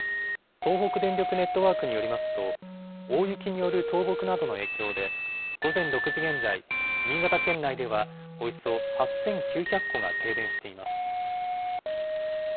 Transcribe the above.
東北電力ネットワークによりますと、大雪による倒木などの影響で、午前６時現在、新潟県内ではおよそ８９００戸が停電しています。